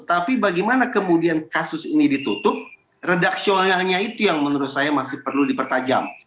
tapi bagaimana kemudian kasus ini ditutup redaksionalnya itu yang menurut saya masih perlu dipertajam